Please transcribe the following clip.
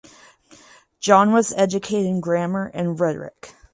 John was educated in grammar and rhetoric.